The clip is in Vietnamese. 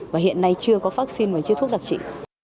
và hiện nay chưa có vaccine và chứa thuốc đặc trị